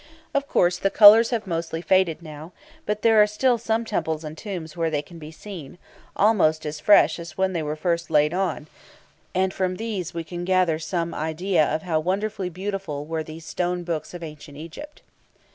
Of course, the colours have mostly faded now; but there are still some temples and tombs where they can be seen, almost as fresh as when they were first laid on, and from these we can gather some idea of how wonderfully beautiful were these stone books of ancient Egypt.